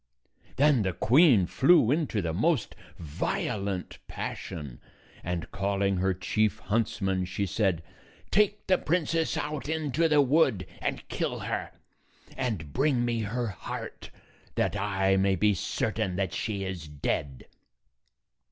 Then the queen flew into the most violent passion, and, calling her chief huntsman, she said, "Take the princess out into the wood and kill her, and bring me her heart, that I may be cer tain that she is dead."